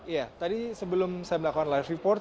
ya tadi sebelum saya melakukan live report